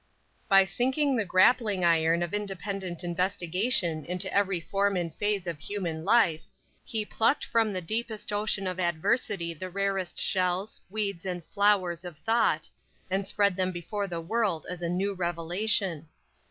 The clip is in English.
By sinking the grappling iron of independent investigation into every form and phase of human life, he plucked from the deepest ocean of adversity the rarest shells, weeds and flowers of thought, and spread them before the world as a new revelation.